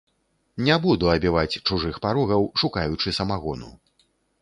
Не буду абіваць чужых парогаў, шукаючы самагону.